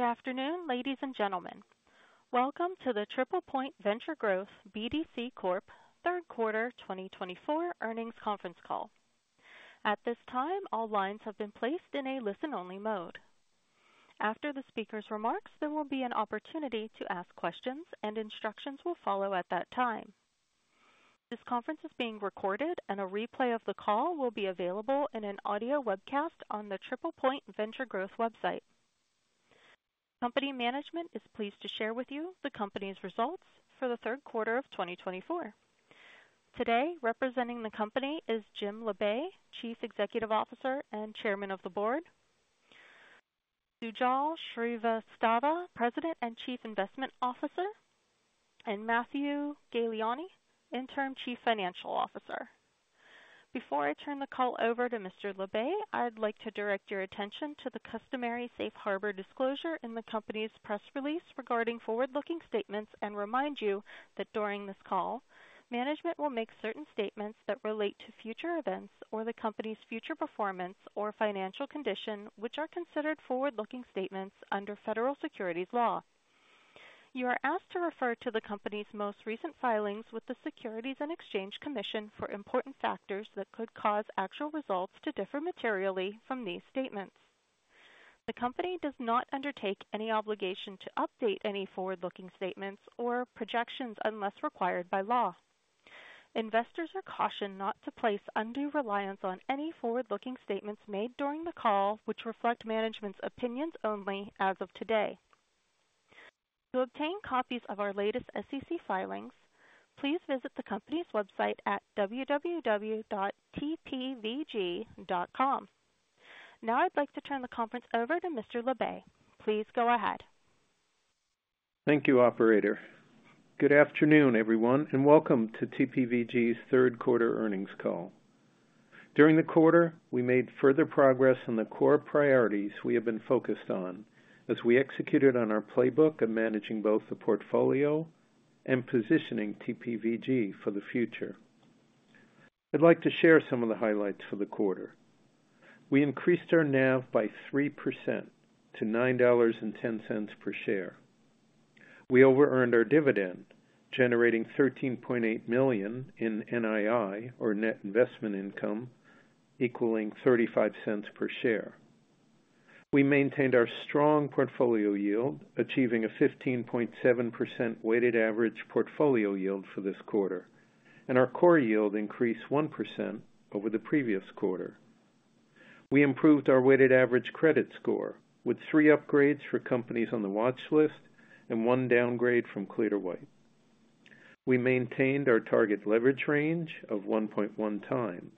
Good afternoon, ladies and gentlemen. Welcome to the TriplePoint Venture Growth BDC Corp Third Quarter 2024 Earnings Conference Call. At this time, all lines have been placed in a listen-only mode. After the speaker's remarks, there will be an opportunity to ask questions, and instructions will follow at that time. This conference is being recorded, and a replay of the call will be available in an audio webcast on the TriplePoint Venture Growth website. Company management is pleased to share with you the company's results for the third quarter of 2024. Today, representing the company is Jim Labe, Chief Executive Officer and Chairman of the Board; Sajal Srivastava, President and Chief Investment Officer; and Matthew Galiani, Interim Chief Financial Officer. Before I turn the call over to Mr. Labe, I'd like to direct your attention to the customary safe harbor disclosure in the company's press release regarding forward-looking statements and remind you that during this call, management will make certain statements that relate to future events or the company's future performance or financial condition, which are considered forward-looking statements under federal securities law. You are asked to refer to the company's most recent filings with the Securities and Exchange Commission for important factors that could cause actual results to differ materially from these statements. The company does not undertake any obligation to update any forward-looking statements or projections unless required by law. Investors are cautioned not to place undue reliance on any forward-looking statements made during the call, which reflect management's opinions only as of today. To obtain copies of our latest SEC filings, please visit the company's website at www.tpvg.com. Now, I'd like to turn the conference over to Mr. Labe. Please go ahead. Thank you, Operator. Good afternoon, everyone, and welcome to TPVG's third quarter earnings call. During the quarter, we made further progress on the core priorities we have been focused on as we executed on our playbook of managing both the portfolio and positioning TPVG for the future. I'd like to share some of the highlights for the quarter. We increased our NAV by 3% to $9.10 per share. We over-earned our dividend, generating $13.8 million in NII, or net investment income, equaling $0.35 per share. We maintained our strong portfolio yield, achieving a 15.7% weighted average portfolio yield for this quarter, and our core yield increased 1% over the previous quarter. We improved our weighted average credit score with three upgrades for companies on the watch list and one downgrade from clear to white. We maintained our target leverage range of 1.1 times.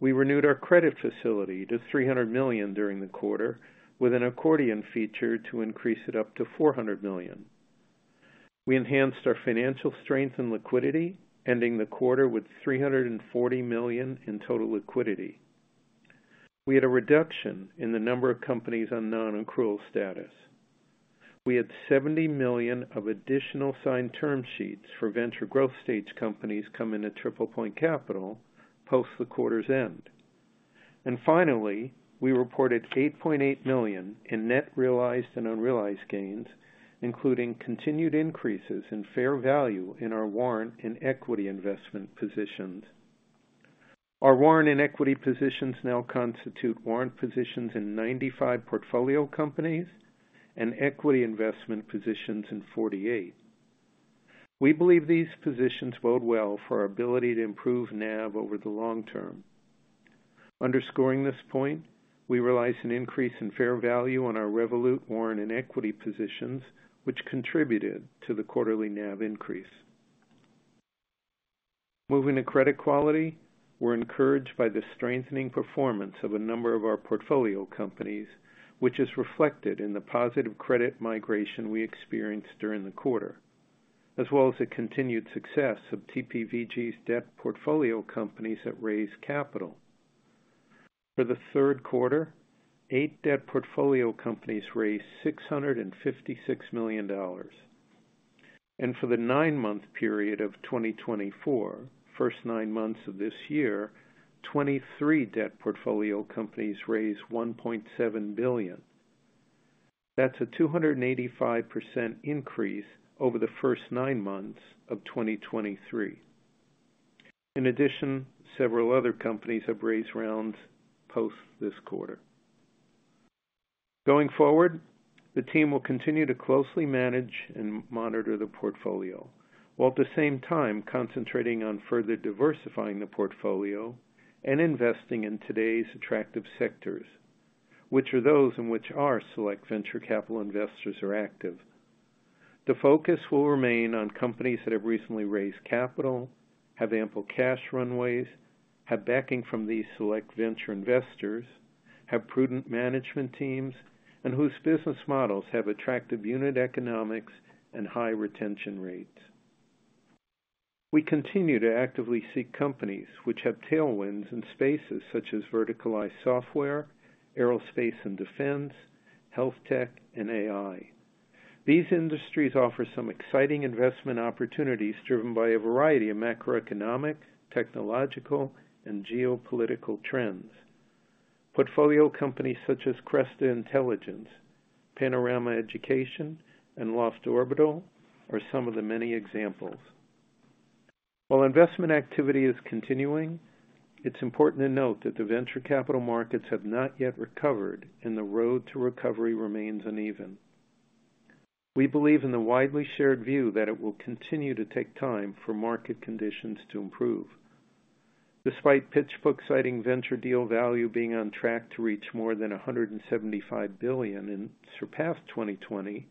We renewed our credit facility to $300 million during the quarter with an accordion feature to increase it up to $400 million. We enhanced our financial strength and liquidity, ending the quarter with $340 million in total liquidity. We had a reduction in the number of companies on non-accrual status. We had $70 million of additional signed term sheets for venture growth stage companies coming to TriplePoint Capital post the quarter's end. And finally, we reported $8.8 million in net realized and unrealized gains, including continued increases in fair value in our warrant and equity investment positions. Our warrant and equity positions now constitute warrant positions in 95 portfolio companies and equity investment positions in 48. We believe these positions bode well for our ability to improve NAV over the long term. Underscoring this point, we realized an increase in fair value on our Revolut warrant and equity positions, which contributed to the quarterly NAV increase. Moving to credit quality, we're encouraged by the strengthening performance of a number of our portfolio companies, which is reflected in the positive credit migration we experienced during the quarter, as well as the continued success of TPVG's debt portfolio companies that raised capital. For the third quarter, eight debt portfolio companies raised $656 million and for the nine-month period of 2024, first nine months of this year, 23 debt portfolio companies raised $1.7 billion. That's a 285% increase over the first nine months of 2023. In addition, several other companies have raised rounds post this quarter. Going forward, the team will continue to closely manage and monitor the portfolio, while at the same time concentrating on further diversifying the portfolio and investing in today's attractive sectors, which are those in which our select venture capital investors are active. The focus will remain on companies that have recently raised capital, have ample cash runways, have backing from these select venture investors, have prudent management teams, and whose business models have attractive unit economics and high retention rates. We continue to actively seek companies which have tailwinds in spaces such as verticalized software, aerospace and defense, health tech, and AI. These industries offer some exciting investment opportunities driven by a variety of macroeconomic, technological, and geopolitical trends. Portfolio companies such as Cresta Intelligence, Panorama Education, and Loft Orbital are some of the many examples. While investment activity is continuing, it's important to note that the venture capital markets have not yet recovered and the road to recovery remains uneven. We believe in the widely shared view that it will continue to take time for market conditions to improve. Despite PitchBook citing venture deal value being on track to reach more than $175 billion and surpass 2020,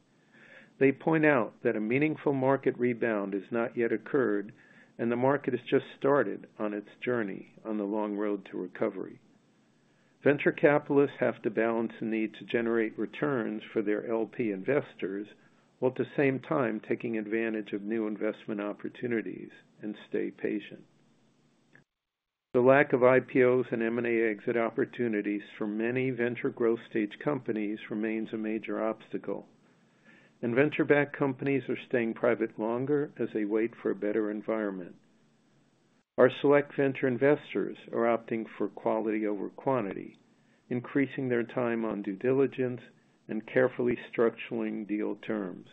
they point out that a meaningful market rebound has not yet occurred and the market has just started on its journey on the long road to recovery. Venture capitalists have to balance the need to generate returns for their LP investors while at the same time taking advantage of new investment opportunities and stay patient. The lack of IPOs and M&A exit opportunities for many venture growth stage companies remains a major obstacle. And venture-backed companies are staying private longer as they wait for a better environment. Our select venture investors are opting for quality over quantity, increasing their time on due diligence and carefully structuring deal terms.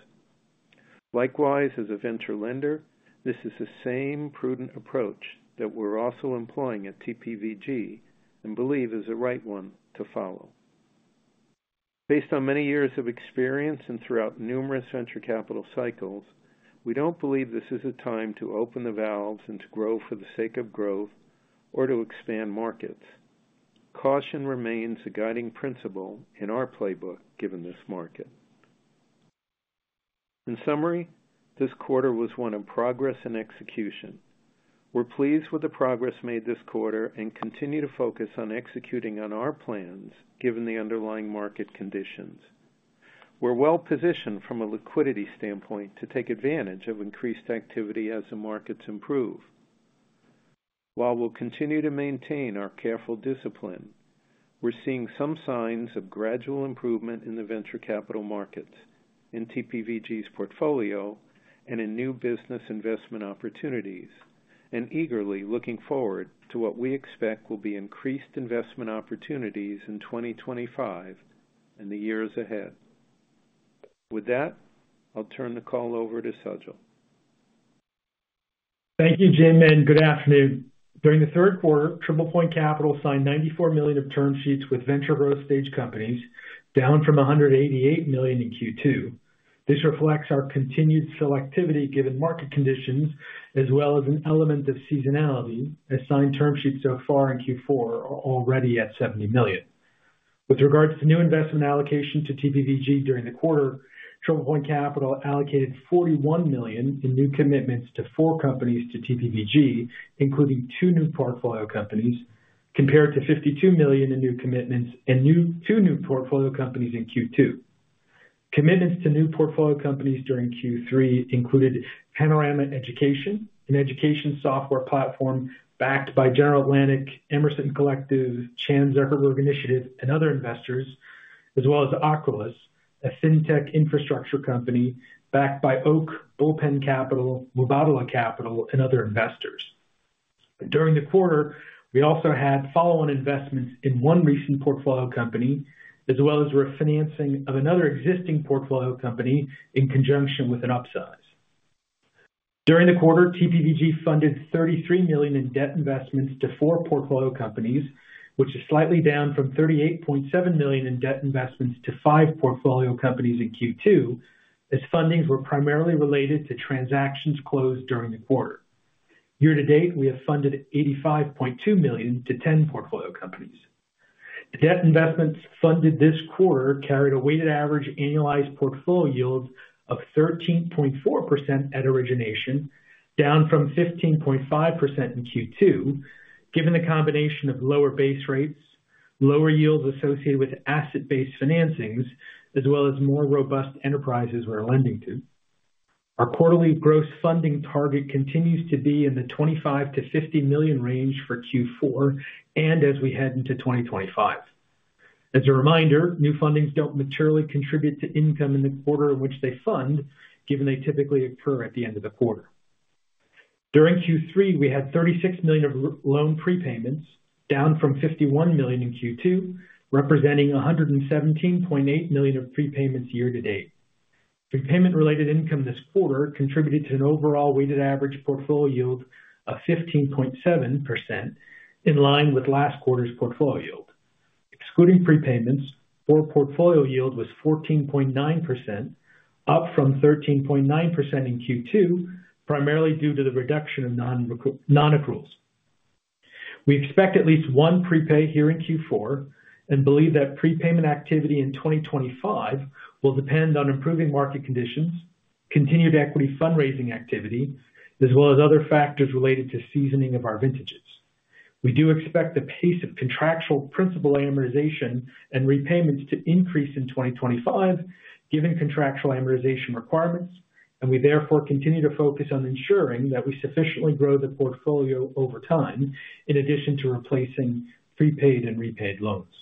Likewise, as a venture lender, this is the same prudent approach that we're also employing at TPVG and believe is the right one to follow. Based on many years of experience and throughout numerous venture capital cycles, we don't believe this is a time to open the valves and to grow for the sake of growth or to expand markets. Caution remains the guiding principle in our playbook given this market. In summary, this quarter was one of progress and execution. We're pleased with the progress made this quarter and continue to focus on executing on our plans given the underlying market conditions. We're well positioned from a liquidity standpoint to take advantage of increased activity as the markets improve. While we'll continue to maintain our careful discipline, we're seeing some signs of gradual improvement in the venture capital markets in TPVG's portfolio and in new business investment opportunities, and eagerly looking forward to what we expect will be increased investment opportunities in 2025 and the years ahead. With that, I'll turn the call over to Sajal. Thank you, Jim, and good afternoon. During the third quarter, TriplePoint Capital signed $94 million of term sheets with venture growth stage companies, down from $188 million in Q2. This reflects our continued selectivity given market conditions as well as an element of seasonality, as signed term sheets so far in Q4 are already at $70 million. With regards to new investment allocation to TPVG during the quarter, TriplePoint Capital allocated $41 million in new commitments to four companies to TPVG, including two new portfolio companies, compared to $52 million in new commitments and two new portfolio companies in Q2. Commitments to new portfolio companies during Q3 included Panorama Education, an education software platform backed by General Atlantic, Emerson Collective, Chan Zuckerberg Initiative, and other investors, as well as Ocrolus, a fintech infrastructure company backed by Oak, Bullpen Capital, Mubadala Capital, and other investors. During the quarter, we also had follow-on investments in one recent portfolio company, as well as refinancing of another existing portfolio company in conjunction with an upsize. During the quarter, TPVG funded $33 million in debt investments to four portfolio companies, which is slightly down from $38.7 million in debt investments to five portfolio companies in Q2, as fundings were primarily related to transactions closed during the quarter. Year to date, we have funded $85.2 million to 10 portfolio companies. The debt investments funded this quarter carried a weighted average annualized portfolio yield of 13.4% at origination, down from 15.5% in Q2, given the combination of lower base rates, lower yields associated with asset-based financings, as well as more robust enterprises we're lending to. Our quarterly gross funding target continues to be in the $25 million-$50 million range for Q4 and as we head into 2025. As a reminder, new fundings don't materially contribute to income in the quarter in which they fund, given they typically occur at the end of the quarter. During Q3, we had $36 million of loan prepayments, down from $51 million in Q2, representing $117.8 million of prepayments year to date. Prepayment-related income this quarter contributed to an overall weighted average portfolio yield of 15.7%, in line with last quarter's portfolio yield. Excluding prepayments, core portfolio yield was 14.9%, up from 13.9% in Q2, primarily due to the reduction of non-accruals. We expect at least one prepay here in Q4 and believe that prepayment activity in 2025 will depend on improving market conditions, continued equity fundraising activity, as well as other factors related to seasoning of our vintages. We do expect the pace of contractual principal amortization and repayments to increase in 2025, given contractual amortization requirements, and we therefore continue to focus on ensuring that we sufficiently grow the portfolio over time, in addition to replacing prepaid and repaid loans.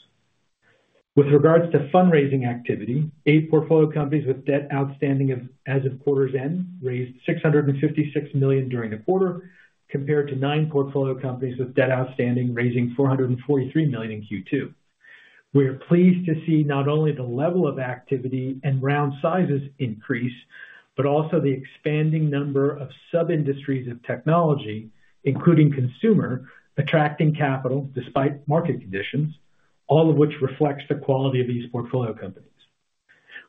With regards to fundraising activity, eight portfolio companies with debt outstanding as of quarter's end raised $656 million during the quarter, compared to nine portfolio companies with debt outstanding raising $443 million in Q2. We are pleased to see not only the level of activity and round sizes increase, but also the expanding number of sub-industries of technology, including consumer, attracting capital despite market conditions, all of which reflects the quality of these portfolio companies.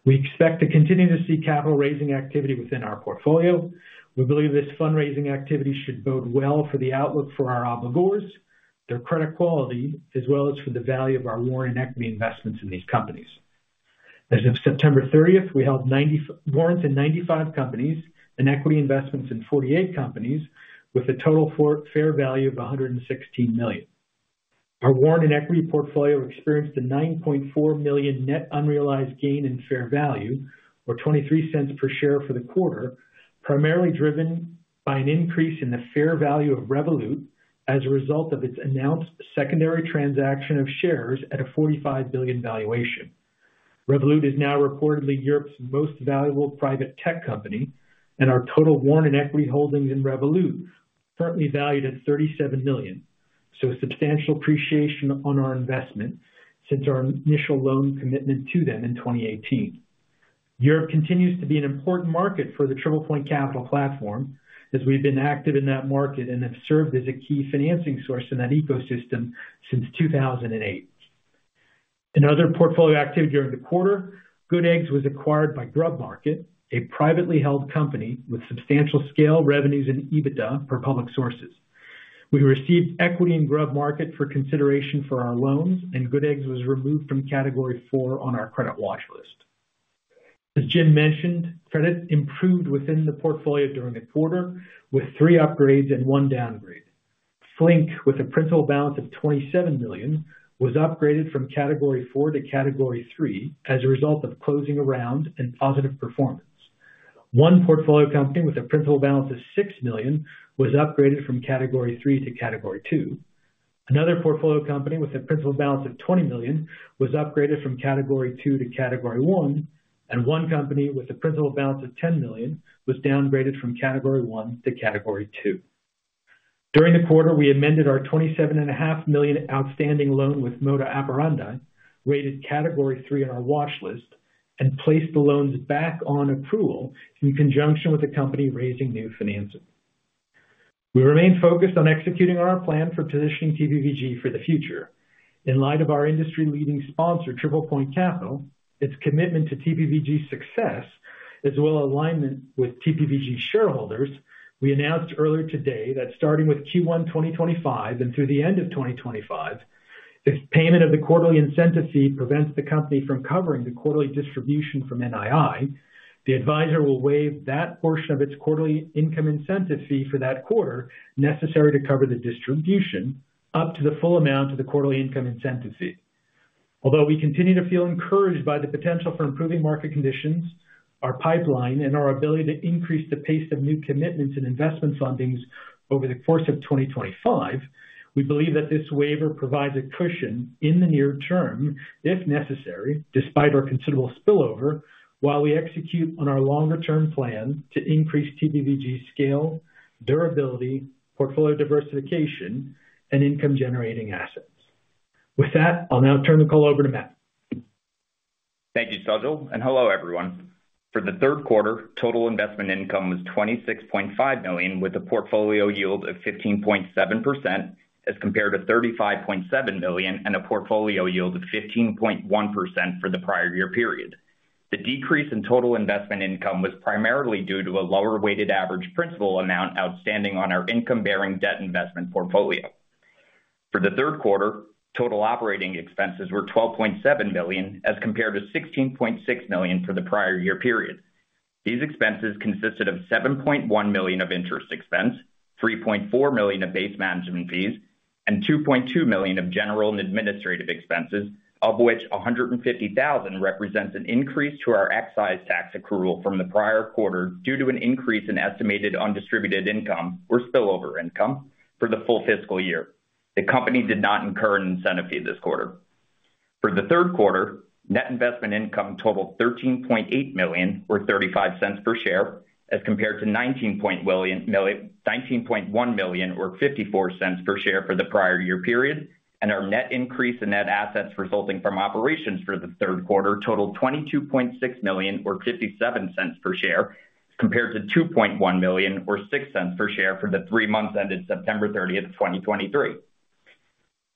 We expect to continue to see capital-raising activity within our portfolio. We believe this fundraising activity should bode well for the outlook for our obligors, their credit quality, as well as for the value of our warrant and equity investments in these companies. As of September 30th, we held warrants in 95 companies and equity investments in 48 companies, with a total fair value of $116 million. Our warrant and equity portfolio experienced a $9.4 million net unrealized gain in fair value, or $0.23 per share for the quarter, primarily driven by an increase in the fair value of Revolut as a result of its announced secondary transaction of shares at a $45 billion valuation. Revolut is now reportedly Europe's most valuable private tech company, and our total warrant and equity holdings in Revolut are currently valued at $37 million, so substantial appreciation on our investment since our initial loan commitment to them in 2018. Europe continues to be an important market for the TriplePoint Capital platform, as we've been active in that market and have served as a key financing source in that ecosystem since 2008. In other portfolio activity during the quarter, Good Eggs was acquired by GrubMarket, a privately held company with substantial scale revenues and EBITDA per public sources. We received equity in GrubMarket for consideration for our loans, and Good Eggs was removed from Category 4 on our credit watch list. As Jim mentioned, credit improved within the portfolio during the quarter with three upgrades and one downgrade. Flink, with a principal balance of $27 million, was upgraded from Category 4 to Category 3 as a result of closing a round and positive performance. One portfolio company with a principal balance of $6 million was upgraded from Category 3 to Category 2. Another portfolio company with a principal balance of $20 million was upgraded from Category 2 to Category 1, and one company with a principal balance of $10 million was downgraded from Category 1 to Category 2. During the quarter, we amended our $27.5 million outstanding loan with Moda Operandi, rated Category 3 on our watch list, and placed the loans back on accrual in conjunction with the company raising new financing. We remain focused on executing on our plan for positioning TPVG for the future. In light of our industry-leading sponsor, TriplePoint Capital, its commitment to TPVG's success, as well as alignment with TPVG's shareholders, we announced earlier today that starting with Q1 2025 and through the end of 2025, if payment of the quarterly incentive fee prevents the company from covering the quarterly distribution from NII, the advisor will waive that portion of its quarterly income incentive fee for that quarter necessary to cover the distribution up to the full amount of the quarterly income incentive fee. Although we continue to feel encouraged by the potential for improving market conditions, our pipeline, and our ability to increase the pace of new commitments and investment fundings over the course of 2025, we believe that this waiver provides a cushion in the near term, if necessary, despite our considerable spillover, while we execute on our longer-term plan to increase TPVG's scale, durability, portfolio diversification, and income-generating assets. With that, I'll now turn the call over to Matt. Thank you, Sajal, and hello, everyone. For the third quarter, total investment income was $26.5 million with a portfolio yield of 15.7% as compared to $35.7 million and a portfolio yield of 15.1% for the prior year period. The decrease in total investment income was primarily due to a lower weighted average principal amount outstanding on our income-bearing debt investment portfolio. For the third quarter, total operating expenses were $12.7 million as compared to $16.6 million for the prior year period. These expenses consisted of $7.1 million of interest expense, $3.4 million of base management fees, and $2.2 million of general and administrative expenses, of which $150,000 represents an increase to our excise tax accrual from the prior quarter due to an increase in estimated undistributed income or spillover income for the full fiscal year. The company did not incur an incentive fee this quarter. For the third quarter, net investment income totaled $13.8 million, or $0.35 per share, as compared to $19.1 million, or $0.54 per share for the prior year period, and our net increase in net assets resulting from operations for the third quarter totaled $22.6 million, or $0.57 per share, compared to $2.1 million, or $0.06 per share for the three months ended September 30th, 2023.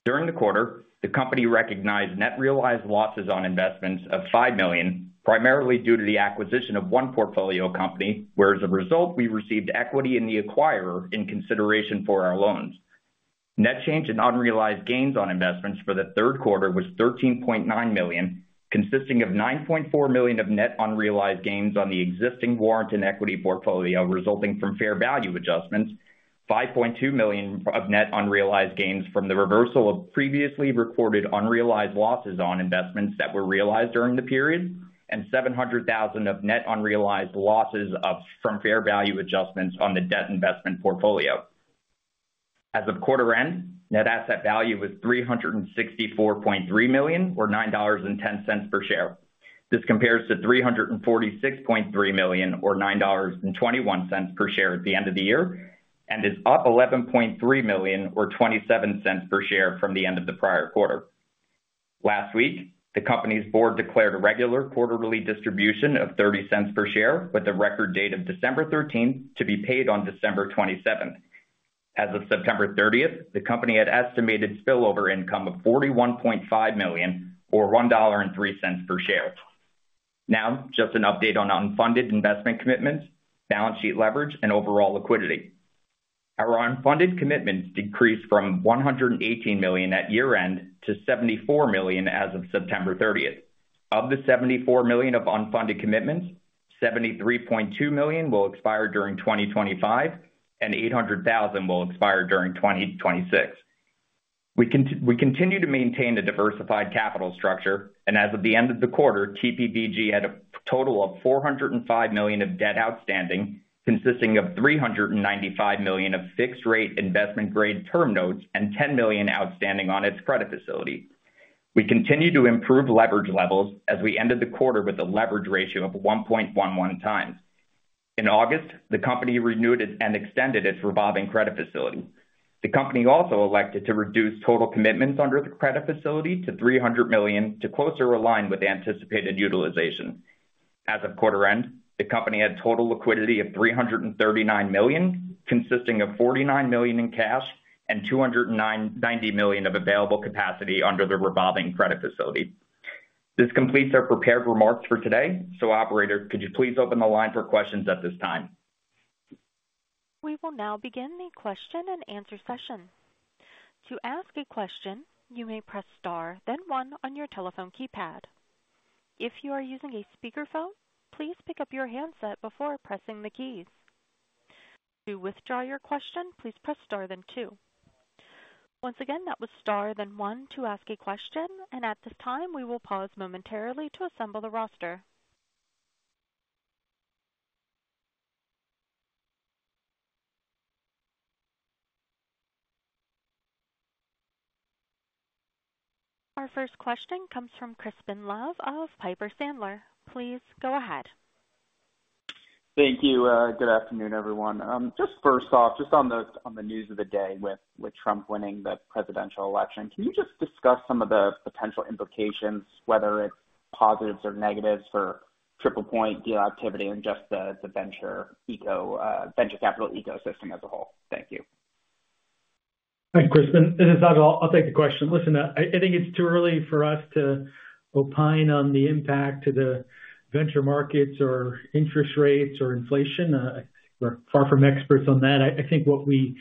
During the quarter, the company recognized net realized losses on investments of $5 million, primarily due to the acquisition of one portfolio company, as a result, we received equity in the acquirer in consideration for our loans. Net change in unrealized gains on investments for the third quarter was $13.9 million, consisting of $9.4 million of net unrealized gains on the existing warrant and equity portfolio resulting from fair value adjustments, $5.2 million of net unrealized gains from the reversal of previously recorded unrealized losses on investments that were realized during the period, and $700,000 of net unrealized losses from fair value adjustments on the debt investment portfolio. As of quarter end, net asset value was $364.3 million, or $9.10 per share. This compares to $346.3 million, or $9.21 per share at the end of the year, and is up $11.3 million, or $0.27 per share from the end of the prior quarter. Last week, the company's board declared a regular quarterly distribution of $0.30 per share with a record date of December 13th to be paid on December 27th. As of September 30th, the company had estimated spillover income of $41.5 million, or $1.03 per share. Now, just an update on unfunded investment commitments, balance sheet leverage, and overall liquidity. Our unfunded commitments decreased from $118 million at year-end to $74 million as of September 30th. Of the $74 million of unfunded commitments, $73.2 million will expire during 2025, and $800,000 will expire during 2026. We continue to maintain a diversified capital structure, and as of the end of the quarter, TPVG had a total of $405 million of debt outstanding, consisting of $395 million of fixed-rate investment-grade term notes and $10 million outstanding on its credit facility. We continue to improve leverage levels as we ended the quarter with a leverage ratio of 1.11 times. In August, the company renewed and extended its revolving credit facility. The company also elected to reduce total commitments under the credit facility to $300 million to closer align with anticipated utilization. As of quarter end, the company had total liquidity of $339 million, consisting of $49 million in cash and $290 million of available capacity under the revolving credit facility. This completes our prepared remarks for today. So, Operator, could you please open the line for questions at this time? We will now begin the question-and-answer session. To ask a question, you may press star, then one on your telephone keypad. If you are using a speakerphone, please pick up your handset before pressing the keys. To withdraw your question, please press star, then two. Once again, that was star, then one to ask a question, and at this time, we will pause momentarily to assemble the roster. Our first question comes from Crispin Love of Piper Sandler. Please go ahead. Thank you. Good afternoon, everyone. Just first off, just on the news of the day with Trump winning the presidential election, can you just discuss some of the potential implications, whether it's positives or negatives, for TriplePoint deal activity and just the venture capital ecosystem as a whole? Thank you. Hi, Crispin. This is Sajal. I'll take the question. Listen, I think it's too early for us to opine on the impact to the venture markets or interest rates or inflation. We're far from experts on that. I think what we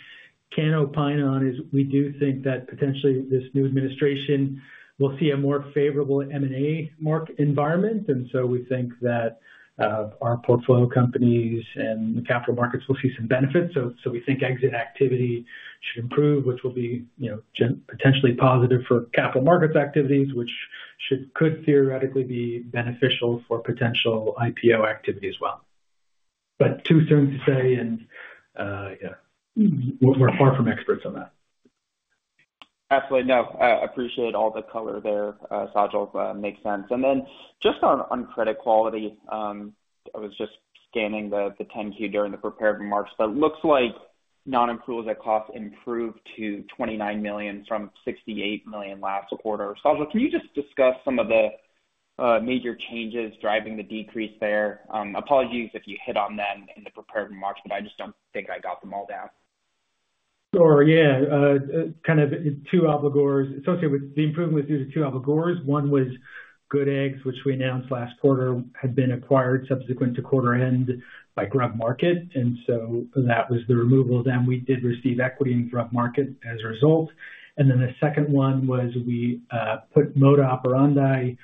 can opine on is we do think that potentially this new administration will see a more favorable M&A environment, and so we think that our portfolio companies and capital markets will see some benefits. So we think exit activity should improve, which will be potentially positive for capital markets activities, which could theoretically be beneficial for potential IPO activity as well. But too soon to say, and we're far from experts on that. Absolutely. No, I appreciate all the color there, Sajal. Makes sense. And then just on credit quality, I was just scanning the 10-Q during the prepared remarks, but it looks like non-accruals at cost improved to $29 million from $68 million last quarter. Sajal, can you just discuss some of the major changes driving the decrease there? Apologies if you hit on them in the prepared remarks, but I just don't think I got them all down. Sure. Yeah. Kind of two obligors associated with the improvement was due to two obligors. One was Good Eggs, which we announced last quarter had been acquired subsequent to quarter end by GrubMarket, and so that was the removal of them. We did receive equity in GrubMarket as a result. And then the second one was we put Moda Operandi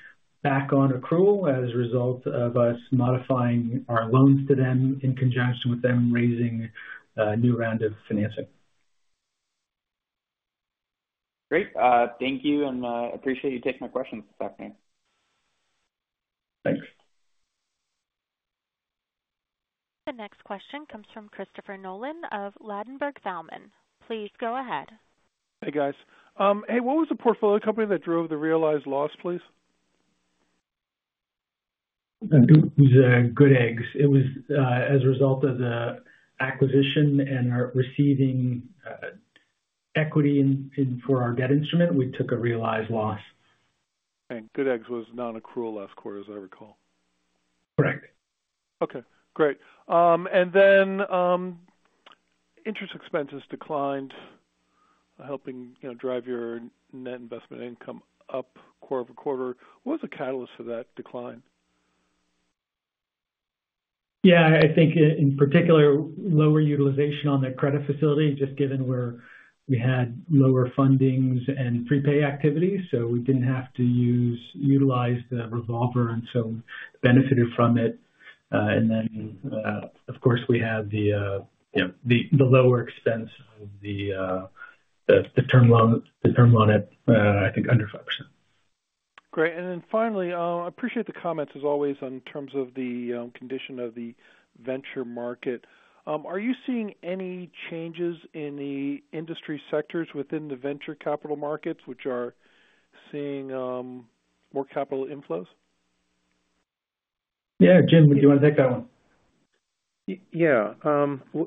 back on accrual as a result of us modifying our loans to them in conjunction with them raising a new round of financing. Great. Thank you, and I appreciate you taking my questions this afternoon. Thanks. The next question comes from Christopher Nolan of Ladenburg Thalmann. Please go ahead. Hey, guys. Hey, what was the portfolio company that drove the realized loss, please? It was Good Eggs. It was as a result of the acquisition and receiving equity for our debt instrument, we took a realized loss. Good Eggs was non-accrual last quarter, as I recall. Correct. Okay. Great. And then interest expenses declined, helping drive your net investment income up quarter over quarter. What was the catalyst for that decline? Yeah. I think in particular, lower utilization on the credit facility, just given where we had lower fundings and prepay activities, so we didn't have to utilize the revolver, and so benefited from it. And then, of course, we have the lower expense of the term loan at, I think, under 5%. Great. And then finally, I appreciate the comments, as always, in terms of the condition of the venture market. Are you seeing any changes in the industry sectors within the venture capital markets, which are seeing more capital inflows? Yeah. Jim, do you want to take that one? Yeah.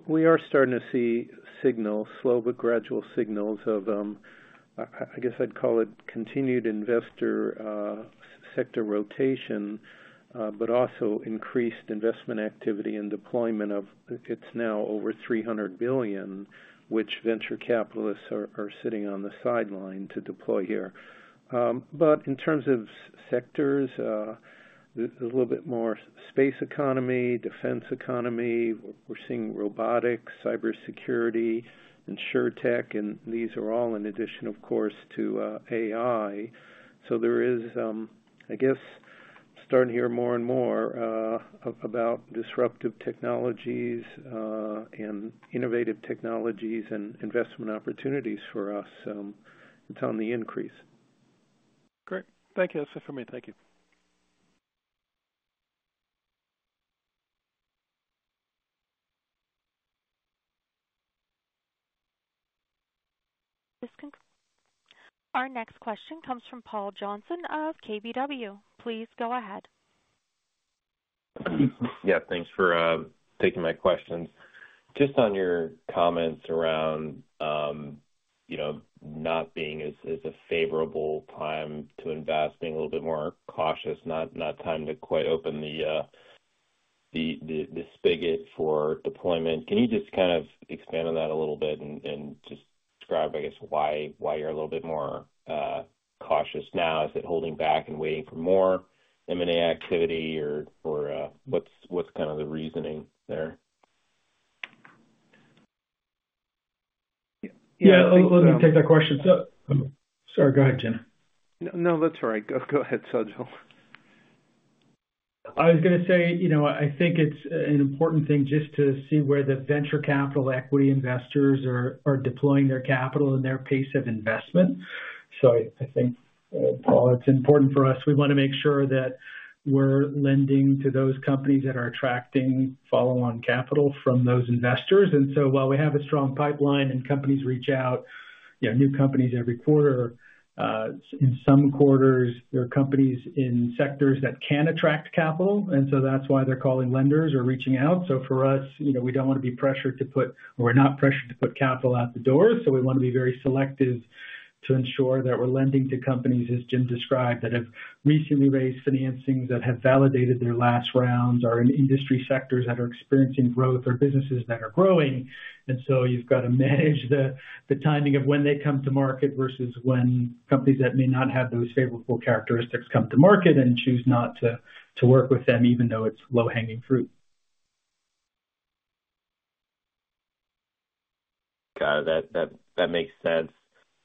We are starting to see signals, slow but gradual signals of, I guess I'd call it, continued investor sector rotation, but also increased investment activity and deployment. It's now over $300 billion, which venture capitalists are sitting on the sidelines to deploy here. But in terms of sectors, a little bit more space economy, defense economy, we're seeing robotics, cybersecurity, insurtech, and these are all in addition, of course, to AI. So there is, I guess, starting to hear more and more about disruptive technologies and innovative technologies and investment opportunities for us. It's on the increase. Great. Thank you. That's it for me. Thank you. Our next question comes from Paul Johnson of KBW. Please go ahead. Yeah. Thanks for taking my questions. Just on your comments around not being as a favorable time to invest, being a little bit more cautious, not time to quite open the spigot for deployment, can you just kind of expand on that a little bit and just describe, I guess, why you're a little bit more cautious now? Is it holding back and waiting for more M&A activity, or what's kind of the reasoning there? Yeah. Let me take that question. Sorry. Go ahead, Jim. No, that's all right. Go ahead, Sajal. I was going to say I think it's an important thing just to see where the venture capital equity investors are deploying their capital and their pace of investment, so I think, Paul, it's important for us. We want to make sure that we're lending to those companies that are attracting follow-on capital from those investors, and so while we have a strong pipeline and companies reach out, new companies every quarter, in some quarters, there are companies in sectors that can attract capital, and so that's why they're calling lenders or reaching out, so for us, we don't want to be pressured to put, or we're not pressured to put capital out the door. So we want to be very selective to ensure that we're lending to companies, as Jim described, that have recently raised financings, that have validated their last rounds, are in industry sectors that are experiencing growth, or businesses that are growing. And so you've got to manage the timing of when they come to market versus when companies that may not have those favorable characteristics come to market and choose not to work with them, even though it's low-hanging fruit. Got it. That makes sense.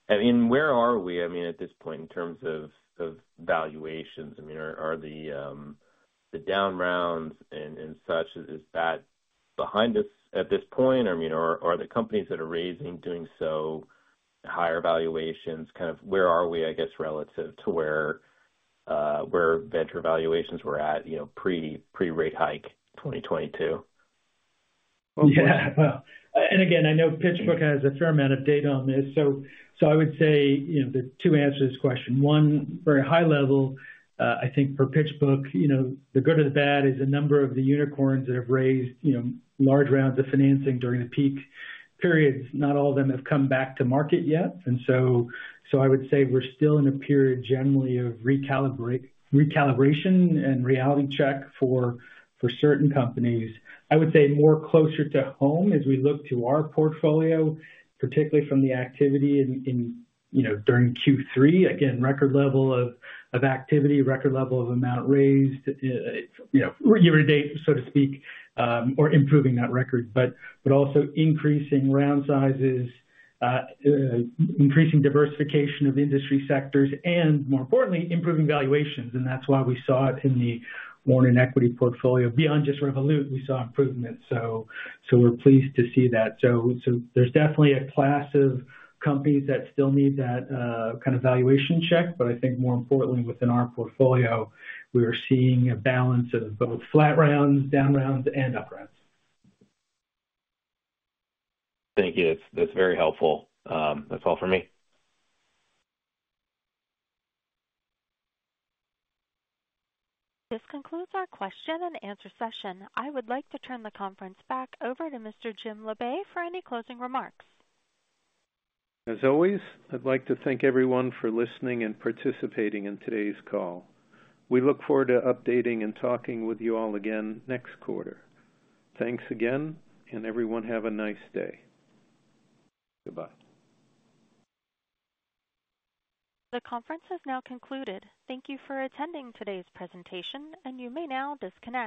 Where are we, I mean, at this point in terms of valuations? I mean, are the down rounds and such, is that behind us at this point? I mean, are the companies that are raising doing so higher valuations? Kind of where are we, I guess, relative to where venture valuations were at pre-rate hike 2022? Yeah. Well, and again, I know PitchBook has a fair amount of data on this. So I would say the two answers to this question. One, very high level, I think for PitchBook, the good or the bad is a number of the unicorns that have raised large rounds of financing during the peak periods. Not all of them have come back to market yet. And so I would say we're still in a period generally of recalibration and reality check for certain companies. I would say more closer to home as we look to our portfolio, particularly from the activity during Q3, again, record level of activity, record level of amount raised, year-to-date, so to speak, or improving that record, but also increasing round sizes, increasing diversification of industry sectors, and more importantly, improving valuations. And that's why we saw it in the warrant and equity portfolio. Beyond just Revolut, we saw improvement. So we're pleased to see that. So there's definitely a class of companies that still need that kind of valuation check, but I think more importantly, within our portfolio, we are seeing a balance of both flat rounds, down rounds, and up rounds. Thank you. That's very helpful. That's all for me. This concludes our question-and-answer session. I would like to turn the conference back over to Mr. Jim Labe for any closing remarks. As always, I'd like to thank everyone for listening and participating in today's call. We look forward to updating and talking with you all again next quarter. Thanks again, and everyone have a nice day. Goodbye. The conference has now concluded. Thank you for attending today's presentation, and you may now disconnect.